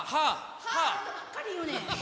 歯ばっかり言うねん。